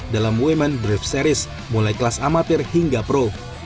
dalam women drift series mulai kelas amatir hingga pro